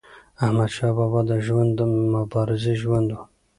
احمدشاه بابا د ژوند د مبارزې ژوند و.